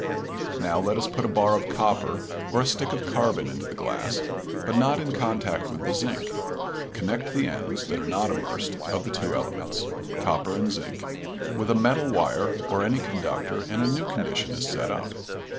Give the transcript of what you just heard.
Now let us put a bar of copper or a stick of carbon into the glass, but not in contact with the zinc; connect the ends (that are not immersed) of the two elements copper and zinc with a metal wire or any conductor, and a new condition is set up.